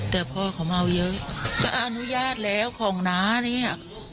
แต่พอเขาเมาเยอะก็อนุญาตแล้วของน้าเนี่ย